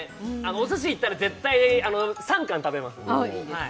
おすしに行ったら、絶対３貫食べます。